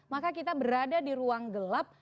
maka kita berada di ruang gelap